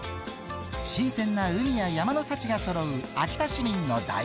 新鮮な海や山の幸がそろう秋田市